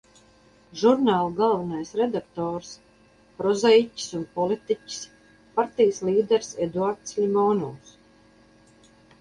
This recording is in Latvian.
Žurnāla galvenais redaktors – prozaiķis un politiķis, partijas līderis Eduards Ļimonovs.